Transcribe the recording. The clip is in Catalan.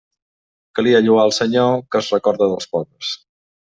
Calia lloar el Senyor, que es recorda dels pobres.